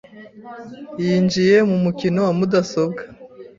Yinjiye mu mukino wa mudasobwa .